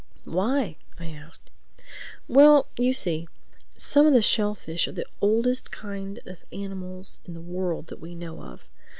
"Why?" I asked. "Well, you see, some of the shellfish are the oldest kind of animals in the world that we know of.